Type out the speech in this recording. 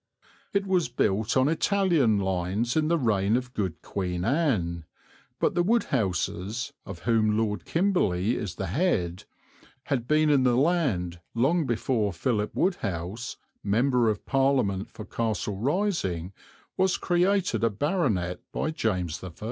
It was built on Italian lines in the reign of good Queen Anne, but the Wodehouses, of whom Lord Kimberley is the head, had been in the land long before Philip Wodehouse, Member of Parliament for Castle Rising, was created a baronet by James I.